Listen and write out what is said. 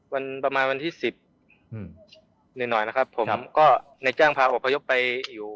ประมาณวันที่สิบอืมหน่อยนะครับผมก็ในจ้างพาอบพยพไปอยู่